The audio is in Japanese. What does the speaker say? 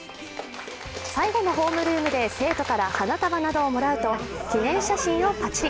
最後のホームルームで生徒から花束などをもらうと記念写真をパチリ。